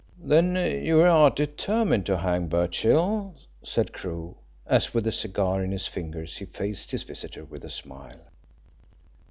"Then you are determined to hang Birchill?" said Crewe, as with a cigar in his fingers he faced his visitor with a smile.